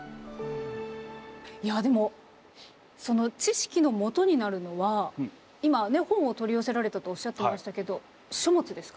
いやでもその知識のもとになるのは今ね本を取り寄せられたとおっしゃっていましたけど書物ですか？